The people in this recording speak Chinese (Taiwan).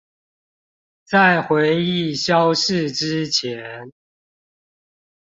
在回憶消逝之前